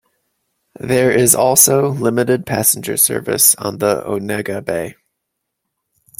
There is also limited passenger service on the Onega Bay.